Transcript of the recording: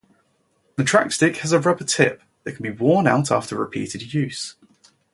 The TrackStick has a rubber tip that can be worn out after repeated use.